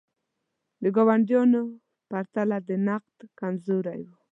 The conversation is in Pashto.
د ګاونډیو په پرتله د نقد کمزوري وه.